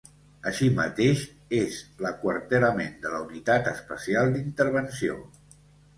Així mateix, és l'aquarterament de la Unitat Especial d'Intervenció.